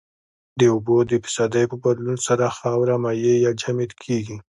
د اوبو د فیصدي په بدلون سره خاوره مایع یا جامد کیږي